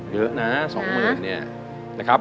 เยอะนะ๒๐๐๐เนี่ยนะครับ